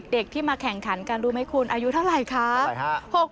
เด็กที่มาแข่งขันกันรู้ไหมคุณอายุเท่าไหร่คะ